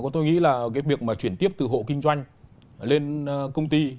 tôi nghĩ là việc chuyển tiếp từ hộ kinh doanh lên công ty